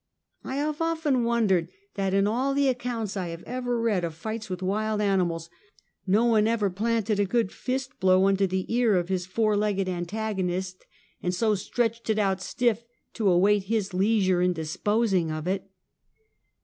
I have often wondered that in all the accounts I have ever read of fights with wild animals, no one ever planted a good fist blow under the ear of his four 78 Half a Century. legged antagonist, and so stretch it out stiff to await his leisure in disposing of it.